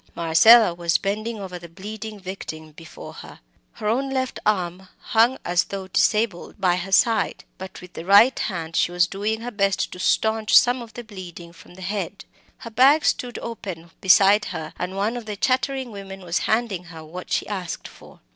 Marcella was bending over the bleeding victim before her. Her own left arm hung as though disabled by her side; but with the right hand she was doing her best to staunch some of the bleeding from the head. Her bag stood open beside her, and one of the chattering women was handing her what she asked for.